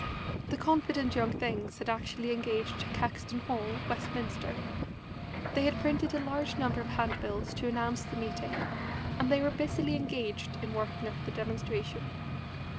The confident young things had actually engaged Caxton Hall, Westminster; they had had printed a large number of handbills to announce the meeting, and they were busily engaged in working up the demonstration.